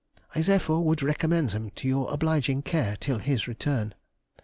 I therefore would recommend them to your obliging care till his return.